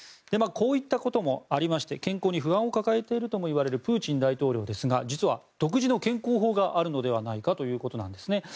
こういったこともありまして健康に不安を抱えているともいわれるプーチン大統領ですが実は独自の健康法があるのではないかということです